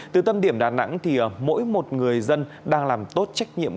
từ tâm điểm đà nẵng thì mỗi một người dân đang làm tốt trách nhiệm